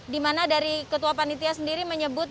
di mana dari ketua panitia sendiri menyebut